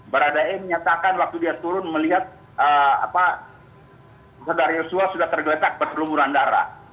barada e menyatakan waktu dia turun melihat yoyosua sudah tergeletak berpelumuran darah